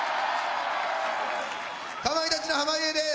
かまいたちの濱家です。